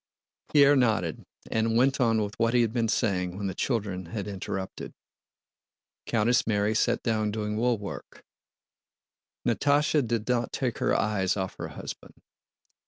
Pierre nodded, and went on with what he had been saying when the children had interrupted. Countess Mary sat down doing woolwork; Natásha did not take her eyes off her husband.